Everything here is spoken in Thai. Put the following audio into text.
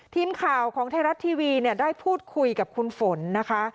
ทีมข่าวของไทยรัฐทีวีเนี่ยได้พูดคุยกับคุณฝนนะคะ